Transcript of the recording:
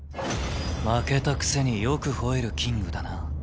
負けたくせによく吠えるキングだな。